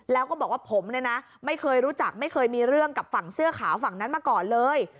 แล้วก็บอกว่าผมเนี่ยนะไม่เคยรู้จักไม่เคยมีเรื่องกับฝั่งเสื้อขาวฝั่งนั้นมาก่อนเลย